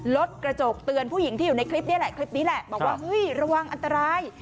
รถกระจกเตือนผู้หญิงที่อยู่ในคลิปนี่แหละคลิปนี้แหละบอกว่าเฮ้ยระวังอันตราย